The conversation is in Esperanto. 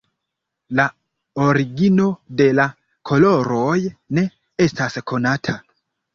La origino de la koloroj ne estas konata.